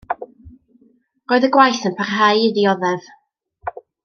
Roedd y gwaith yn parhau i ddioddef.